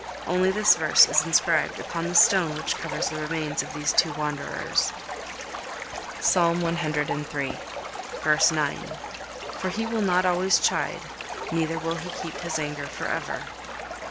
Only this verse is inscribed upon the stone which covers the remains of these two wanderers. Psalm ciii. v. 9. "For He will not always chide, neither will He keep His anger for ever."